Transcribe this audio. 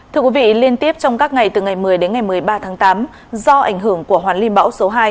thưa quý vị liên tiếp trong các ngày từ ngày một mươi đến ngày một mươi ba tháng tám do ảnh hưởng của hoán ly bão số hai